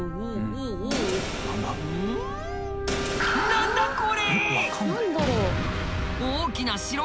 何だこれ！？